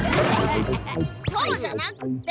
そうじゃなくって！